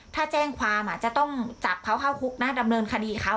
ถ้าแจ้งความจะต้องจับเขาเข้าคุกนะดำเนินคดีเขา